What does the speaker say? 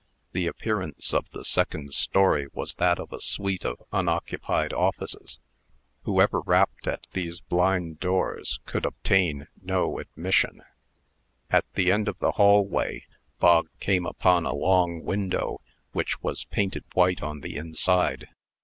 The appearance of the second story was that of a suite of unoccupied offices. Whoever rapped at these blind doors, could obtain no admission. At the end of the hallway, Bog came upon a long window, which was painted white on the inside.